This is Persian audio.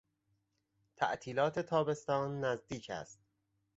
تعطیلات تابستان نزدیک است.